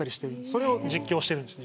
それを実況してるんです。